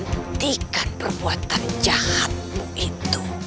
nentikan perbuatan jahatmu itu